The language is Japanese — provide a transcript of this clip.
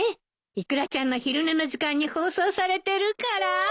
イクラちゃんの昼寝の時間に放送されてるから。